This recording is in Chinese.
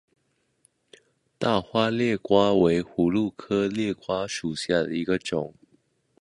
大花裂瓜为葫芦科裂瓜属下的一个种。